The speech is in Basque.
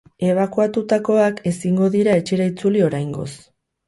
Ebakuatutakoak ezingo dira etxera itzuli oraingoz.